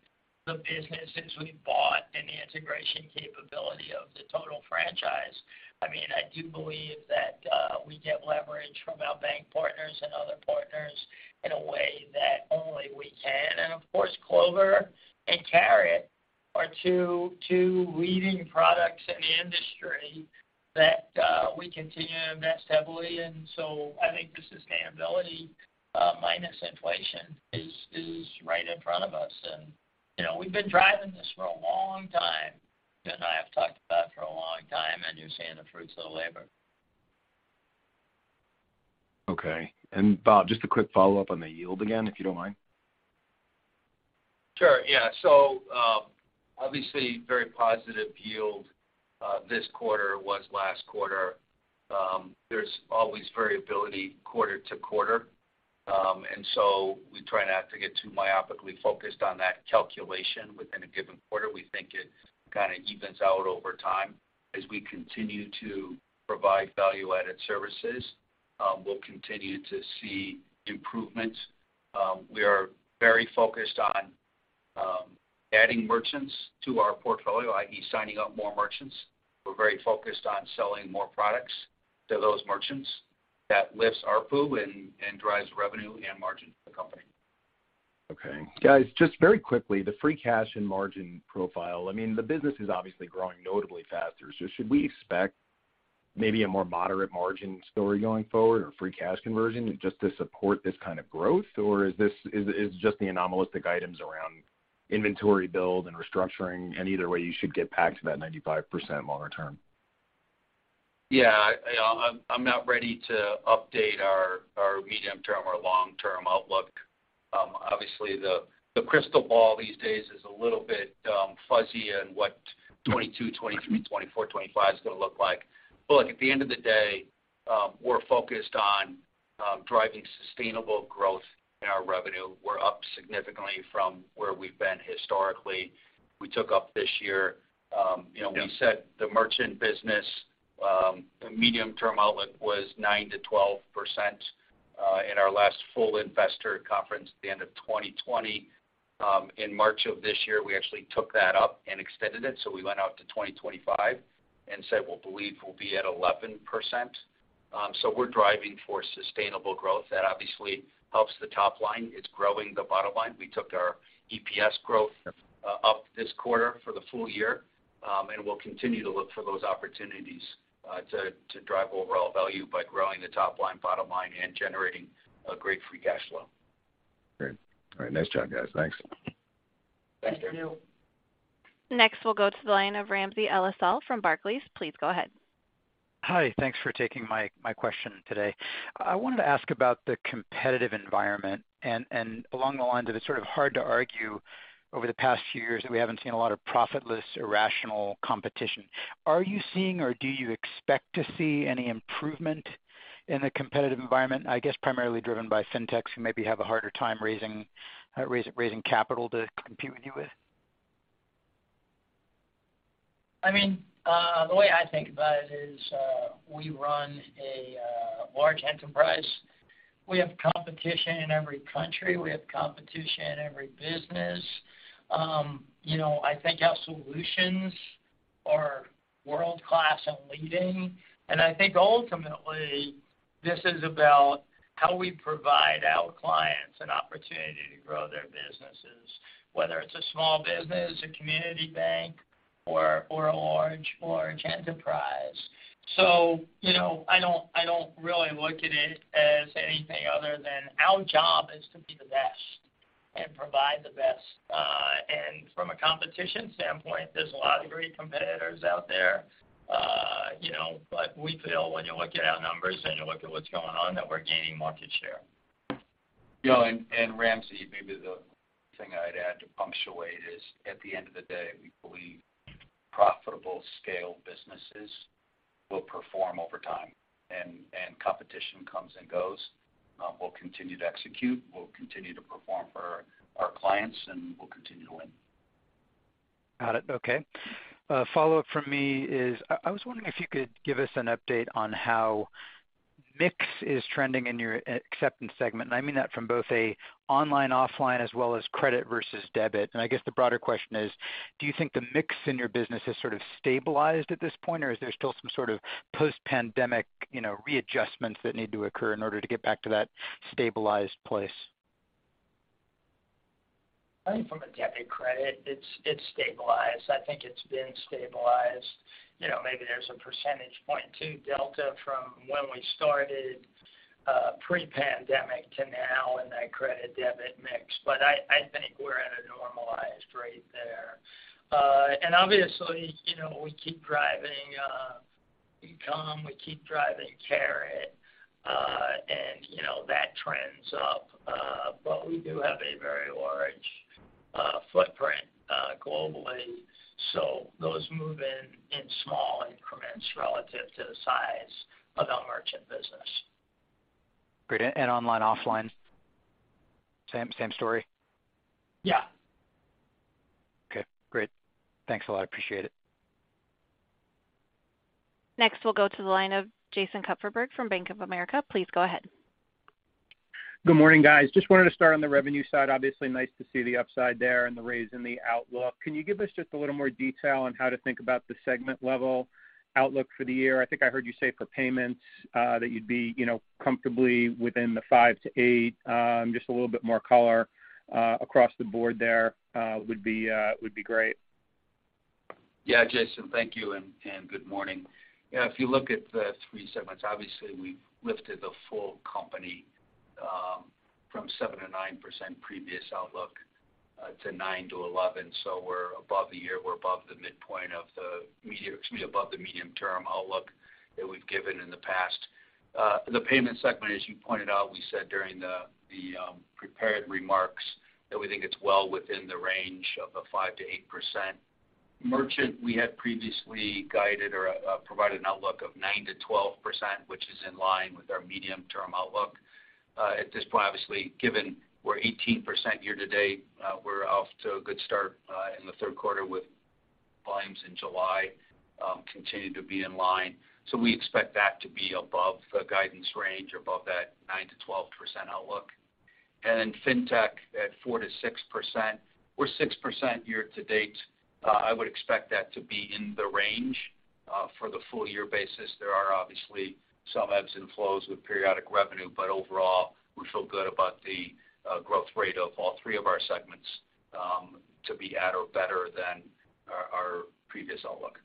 the businesses we've bought, and the integration capability of the total franchise. I mean, I do believe that we get leverage from our bank partners and other partners in a way that only we can. Of course, Clover and Carat are two leading products in the industry that we continue to invest heavily in. I think the sustainability minus inflation is right in front of us. You know, we've been driving this for a long time. Bob Hau and I have talked about it for a long time, and you're seeing the fruits of the labor.
Okay. Bob, just a quick follow-up on the yield again, if you don't mind.
Sure. Yeah. Obviously very positive yield this quarter as was last quarter. There's always variability quarter to quarter. We try not to get too myopically focused on that calculation within a given quarter. We think it kind of evens out over time. As we continue to provide value-added services, we'll continue to see improvements. We are very focused on adding merchants to our portfolio, i.e., signing up more merchants. We're very focused on selling more products to those merchants. That lifts ARPU and drives revenue and margin for the company.
Okay. Guys, just very quickly, the free cash and margin profile, I mean, the business is obviously growing notably faster. Should we expect maybe a more moderate margin story going forward or free cash conversion just to support this kind of growth? Or is it just the anomalous items around inventory build and restructuring, and either way, you should get back to that 95% longer term?
Yeah, I'm not ready to update our medium-term or long-term outlook. Obviously, the crystal ball these days is a little bit fuzzy on what 2022, 2023, 2024, 2025's gonna look like. Look, at the end of the day, we're focused on driving sustainable growth in our revenue. We're up significantly from where we've been historically. We took up this year. You know.
Yeah
We set the merchant business, the medium-term outlook was 9%-12% in our last full investor conference at the end of 2020. In March of this year, we actually took that up and extended it, so we went out to 2025 and said we believe we'll be at 11%. We're driving for sustainable growth. That obviously helps the top line. It's growing the bottom line. We took our EPS growth up this quarter for the full year. We'll continue to look for those opportunities to drive overall value by growing the top line, bottom line, and generating a great free cash flow.
Great. All right. Nice job, guys. Thanks.
Thank you.
Thank you.
Next, we'll go to the line of Ramsey El-Assal from Barclays. Please go ahead.
Hi. Thanks for taking my question today. I wanted to ask about the competitive environment and along the lines of it's sort of hard to argue over the past few years that we haven't seen a lot of profitless irrational competition. Are you seeing or do you expect to see any improvement in the competitive environment, I guess, primarily driven by fintechs who maybe have a harder time raising capital to compete with you?
I mean, the way I think about it is, we run a large enterprise. We have competition in every country. We have competition in every business. You know, I think our solutions are world-class and leading. I think ultimately, this is about how we provide our clients an opportunity to grow their businesses, whether it's a small business, a community bank, or a large enterprise. You know, I don't really look at it as anything other than our job is to be the best and provide the best. From a competition standpoint, there's a lot of great competitors out there. You know, but we feel when you look at our numbers and you look at what's going on, that we're gaining market share.
You know, Ramsey, maybe the thing I'd add to punctuate is, at the end of the day, we believe profitable scale businesses will perform over time. Competition comes and goes. We'll continue to execute, we'll continue to perform for our clients, and we'll continue to win.
Got it. Okay. A follow-up from me is I was wondering if you could give us an update on how mix is trending in your acceptance segment. I mean that from both online, offline, as well as credit versus debit. I guess the broader question is: Do you think the mix in your business has sort of stabilized at this point, or is there still some sort of post-pandemic, you know, readjustments that need to occur in order to get back to that stabilized place?
I think from a debit credit, it's stabilized. I think it's been stabilized. You know, maybe there's a percentage point or 2 delta from when we started pre-pandemic to now in that credit debit mix, but I think we're at a normalized rate there. Obviously, you know, we keep driving eCommerce, we keep driving Carat, and, you know, that trends up. We do have a very large footprint globally, so those move in small increments relative to the size of our merchant business.
Great. Online, offline, same story?
Yeah.
Okay, great. Thanks a lot. I appreciate it.
Next, we'll go to the line of Jason Kupferberg from Bank of America. Please go ahead.
Good morning, guys. Just wanted to start on the revenue side. Obviously, nice to see the upside there and the raise in the outlook. Can you give us just a little more detail on how to think about the segment level outlook for the year? I think I heard you say for payments, that you'd be, you know, comfortably within the 5%-8%. Just a little bit more color, across the board there, would be great.
Yeah. Jason, thank you, and good morning. Yeah, if you look at the three segments, obviously we've lifted the full company from 7%-9% previous outlook to 9%-11%. We're above the year, we're above the midpoint of the medium-term outlook that we've given in the past. The payments segment, as you pointed out, we said during the prepared remarks that we think it's well within the range of a 5%-8%. Merchant, we had previously guided or provided an outlook of 9%-12%, which is in line with our medium-term outlook. At this point, obviously, given we're 18% year-to-date, we're off to a good start in the third quarter with volumes in July continuing to be in line. We expect that to be above the guidance range, above that 9%-12% outlook. Fintech at 4%-6%. We're 6% year to date. I would expect that to be in the range, for the full-year basis. There are obviously some ebbs and flows with periodic revenue, but overall, we feel good about the growth rate of all three of our segments to be at or better than our previous outlook.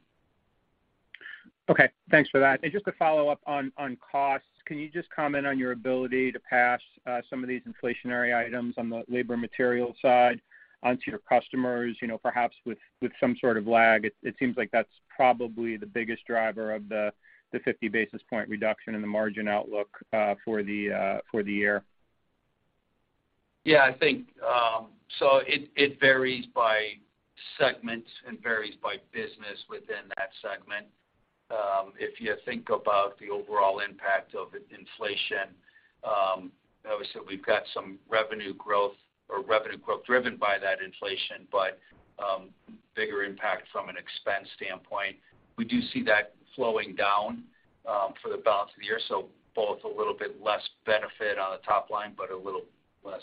Okay. Thanks for that. Just to follow up on costs, can you just comment on your ability to pass some of these inflationary items on the labor material side onto your customers, you know, perhaps with some sort of lag? It seems like that's probably the biggest driver of the 50 basis point reduction in the margin outlook for the year.
Yeah, I think it varies by segments and varies by business within that segment. If you think about the overall impact of inflation, obviously, we've got some revenue growth driven by that inflation, but bigger impact from an expense standpoint. We do see that flowing down for the balance of the year. Both a little bit less benefit on the top line, but a little less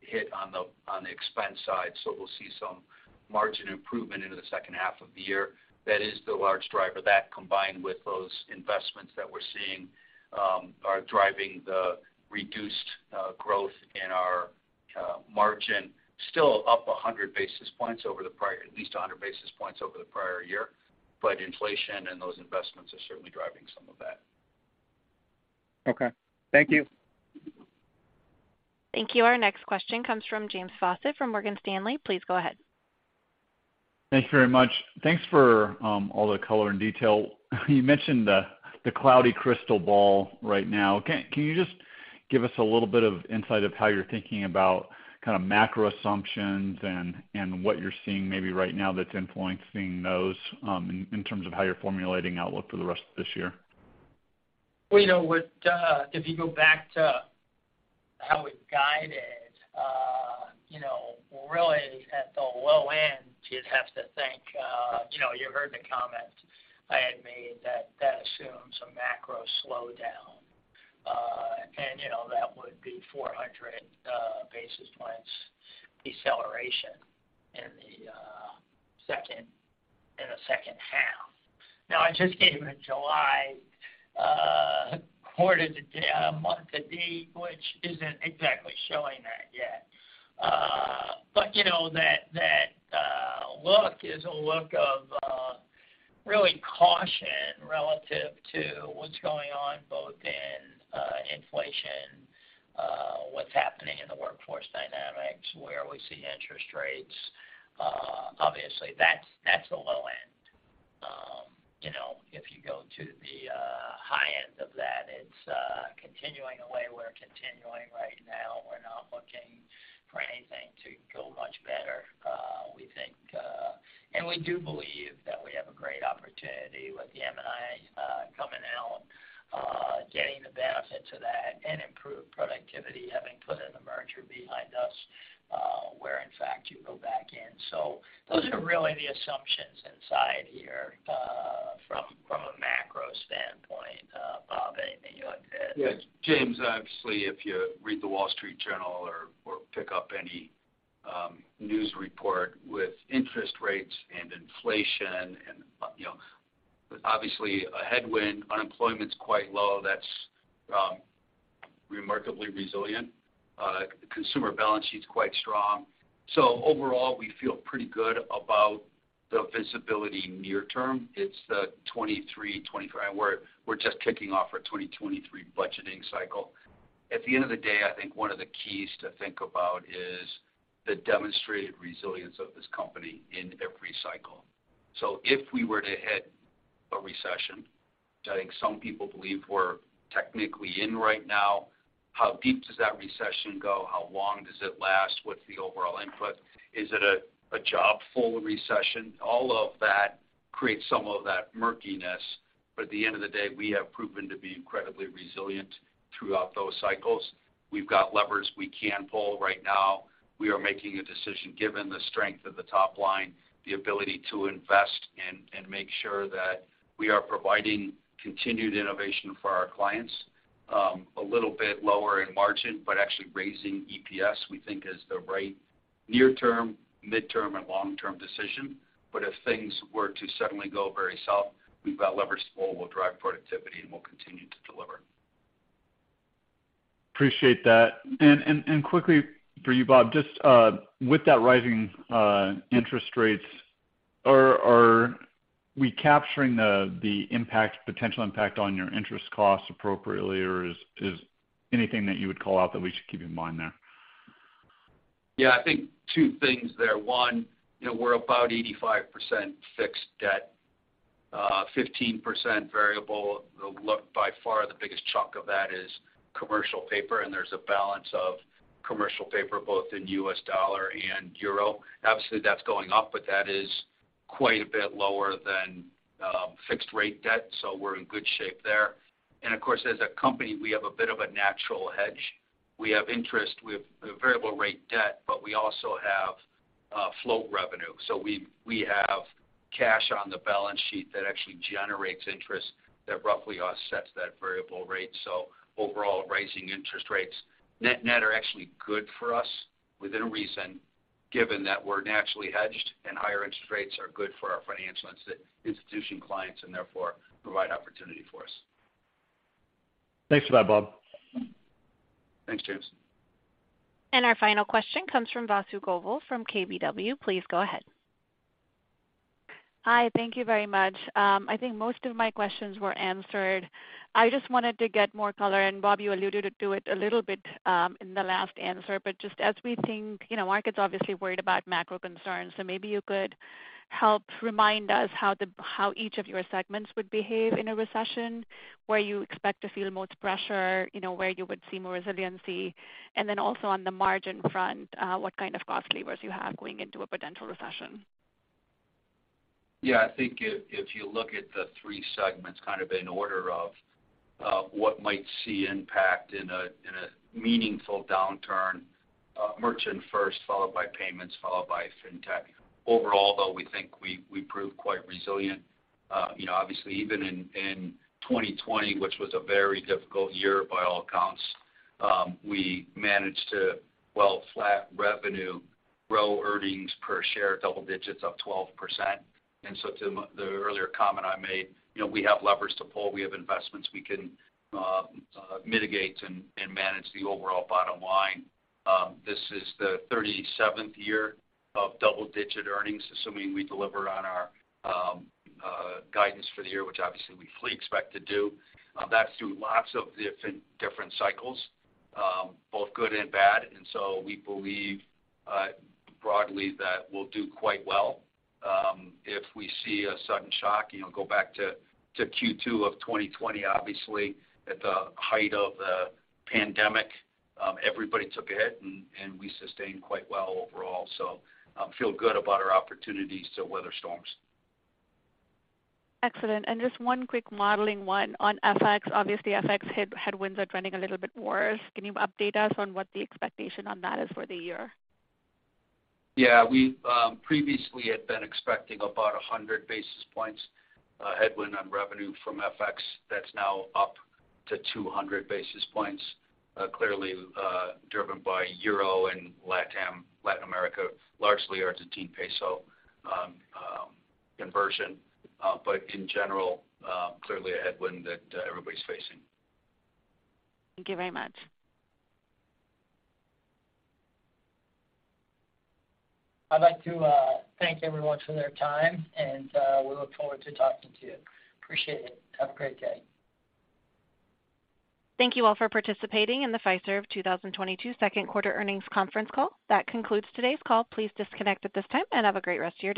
hit on the expense side. We'll see some margin improvement into the second half of the year. That is the large driver. That combined with those investments that we're seeing are driving the reduced growth in our margin still up at least 100 basis points over the prior year. Inflation and those investments are certainly driving some of that.
Okay. Thank you.
Thank you. Our next question comes from James Faucette from Morgan Stanley. Please go ahead.
Thank you very much. Thanks for all the color and detail. You mentioned the cloudy crystal ball right now. Can you just give us a little bit of insight of how you're thinking about kind of macro assumptions and what you're seeing maybe right now that's influencing those, in terms of how you're formulating outlook for the rest of this year?
Well, you know what, if you go back to how we guided, you know, really at the low end, you'd have to think, you know, you heard the comment I had made that that assumes a macro slowdown. You know, that would be 400 basis points deceleration in the second half. Now, I just gave you July month to date, which isn't exactly showing that yet. You know, that look is a look of really caution relative to what's going on both in inflation, what's happening in the workforce dynamics, where we see interest rates. Obviously, that's the low end. You know, if you go to the high end of that, it's continuing the way we're continuing right now. We're not looking for anything to go much better. We think and we do believe that we have a great opportunity with the M&I coming out, getting the benefit from that and improved productivity, having put the merger behind us, where in fact you go back in. Those are really the assumptions inside here from a macro standpoint, Bob, anything you want to add?
Yes. James, obviously, if you read The Wall Street Journal or pick up any news report with interest rates and inflation and, you know, obviously a headwind, unemployment's quite low, that's remarkably resilient. Consumer balance sheet's quite strong. Overall, we feel pretty good about the visibility near term. It's the 2023, 2024. We're just kicking off our 2023 budgeting cycle. At the end of the day, I think one of the keys to think about is the demonstrated resilience of this company in every cycle. If we were to hit a recession, which I think some people believe we're technically in right now, how deep does that recession go? How long does it last? What's the overall input? Is it a jobless recession? All of that creates some of that murkiness. At the end of the day, we have proven to be incredibly resilient throughout those cycles. We've got levers we can pull right now. We are making a decision, given the strength of the top line, the ability to invest and make sure that we are providing continued innovation for our clients, a little bit lower in margin, but actually raising EPS, we think is the right near-term, mid-term, and long-term decision. If things were to suddenly go very south, we've got levers to pull. We'll drive productivity, and we'll continue to deliver.
Appreciate that. Quickly for you, Bob, just with that rising interest rates, are we capturing the impact, potential impact on your interest costs appropriately, or is anything that you would call out that we should keep in mind there?
Yeah. I think two things there. One, you know, we're about 85% fixed debt, 15% variable. The by far, the biggest chunk of that is commercial paper, and there's a balance of commercial paper both in US dollar and euro. Obviously, that's going up, but that is quite a bit lower than fixed rate debt. We're in good shape there. Of course, as a company, we have a bit of a natural hedge. We have interest with variable rate debt, but we also have float revenue. We have cash on the balance sheet that actually generates interest that roughly offsets that variable rate. Overall, raising interest rates net net are actually good for us within reason, given that we're naturally hedged and higher interest rates are good for our financial institution clients and therefore provide opportunity for us.
Thanks for that, Bob.
Thanks, James.
Our final question comes from Vasundhara Govil from KBW. Please go ahead.
Hi, thank you very much. I think most of my questions were answered. I just wanted to get more color, and Bob, you alluded to it a little bit, in the last answer. Just as we think, you know, market's obviously worried about macro concerns. Maybe you could help remind us how each of your segments would behave in a recession, where you expect to feel the most pressure, you know, where you would see more resiliency. And then also on the margin front, what kind of cost levers you have going into a potential recession.
Yeah. I think if you look at the three segments kind of in order of what might see impact in a meaningful downturn, merchant first, followed by payments, followed by fintech. Overall, though, we think we proved quite resilient. You know, obviously even in 2020, which was a very difficult year by all accounts, we managed to, well, flat revenue grow earnings per share double-digit up 12%. To the earlier comment I made, you know, we have levers to pull. We have investments we can mitigate and manage the overall bottom line. This is the 37th year of double-digit earnings, assuming we deliver on our guidance for the year, which obviously we fully expect to do. That's through lots of different cycles, both good and bad. We believe broadly that we'll do quite well. If we see a sudden shock, you know, go back to Q2 of 2020, obviously at the height of the pandemic, everybody took a hit and we sustained quite well overall. Feel good about our opportunities to weather storms.
Excellent. Just one quick modeling one on FX. Obviously, FX headwinds are trending a little bit worse. Can you update us on what the expectation on that is for the year?
Yeah. We've previously had been expecting about 100 basis points headwind on revenue from FX. That's now up to 200 basis points, clearly driven by Euro and LatAm, Latin America, largely Argentine peso conversion. In general, clearly a headwind that everybody's facing.
Thank you very much.
I'd like to thank everyone for their time and we look forward to talking to you. Appreciate it. Have a great day.
Thank you all for participating in the Fiserv 2022 second quarter earnings conference call. That concludes today's call. Please disconnect at this time and have a great rest of your day.